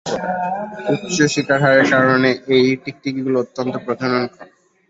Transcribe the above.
উচ্চ শিকার হারের কারণে, এই টিকটিকিগুলি অত্যন্ত প্রজননক্ষম।